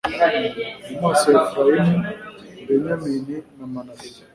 Mu maso ya Efurayimu Benyamini na Manase